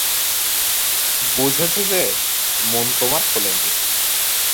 বুঝেছে যে, মন তোমার খোলে নি।